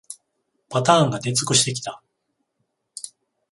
パターンが出尽くしてきた